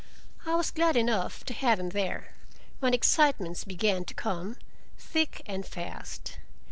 I was glad enough to have him there, when excitements began to come thick and fast.